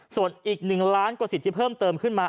ส่วนอีก๑ล้านกว่าสิทธิ์ที่เพิ่มเติมขึ้นมา